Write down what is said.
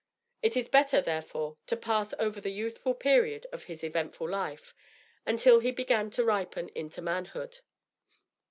It is better, therefore, to pass over the youthful period of his eventful life, until he began to ripen into manhood.